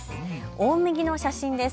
大麦の写真です。